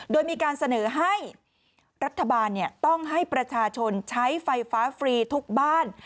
โดยมีการเสนอให้รัฐบาลต้องให้ประชาชนใช้ไฟฟ้าฟรีทุกบ้าน